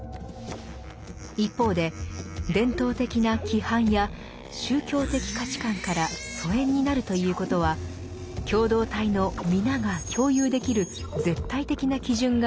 一方で伝統的な規範や宗教的価値観から疎遠になるということは共同体の皆が共有できる絶対的な基準がないということ。